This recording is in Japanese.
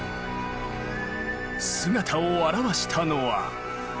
姿を現したのは。